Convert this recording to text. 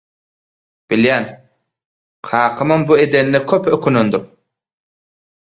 Bilýän kakamam bu edenine köp ökünendir.